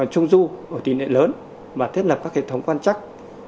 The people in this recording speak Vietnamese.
trung du ở tỉ lệ lớn và thiết lập các hệ thống quan trắc